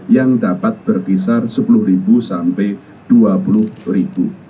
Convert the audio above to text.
yang dapat berkisar sepuluh sampai rp dua puluh